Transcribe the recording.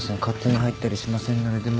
勝手に入ったりしませんので。